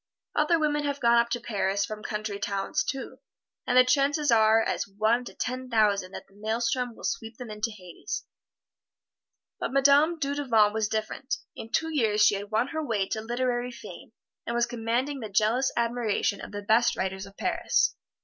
Other women have gone up to Paris from country towns, too, and the chances are as one to ten thousand that the maelstrom will sweep them into hades. But Madame Dudevant was different in two years she had won her way to literary fame, and was commanding the jealous admiration of the best writers of Paris.